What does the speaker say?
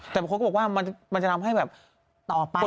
แต่บางคนก็บอกว่ามันจะทำให้แบบต่อไป